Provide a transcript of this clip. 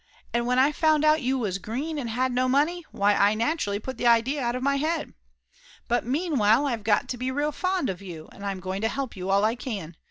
"And when I found out you was green and had no money, why I naturally put the idea out of my head. But meanwhile I've got to be real fond of you, and I'm going to help you all I can!